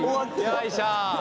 よいしょ。